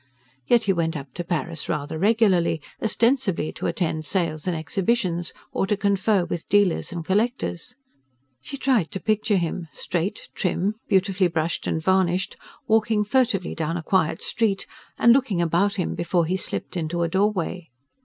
Yet he went up to Paris rather regularly: ostensibly to attend sales and exhibitions, or to confer with dealers and collectors. She tried to picture him, straight, trim, beautifully brushed and varnished, walking furtively down a quiet street, and looking about him before he slipped into a doorway.